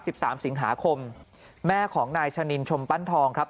สามสิงหาคมแม่ของนายชะนินชมปั้นทองครับ